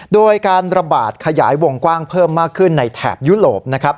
โดยการระบาดขยายวงกว้างเพิ่มมากขึ้นในแถบยุโรปนะครับ